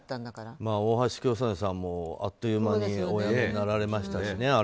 大橋巨泉さんもあっという間にお辞めになられましたね。